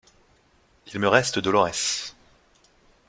Il me reste Dolorès.